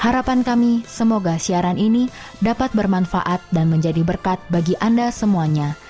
harapan kami semoga siaran ini dapat bermanfaat dan menjadi berkat bagi anda semuanya